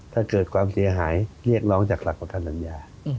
ถ้าเกิดความเสียหายเรียกร้องจากหลักประกันสัญญา